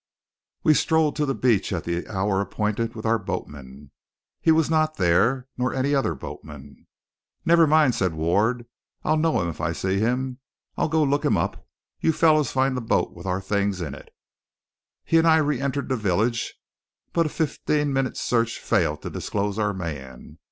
We strolled to the beach at the hour appointed with our boatman. He was not there; nor any other boatman. "Never mind," said Ward; "I'll know him if I see him. I'll go look him up. You fellows find the boat with our things in it." He and I reëntered the village, but a fifteen minutes' search failed to disclose our man.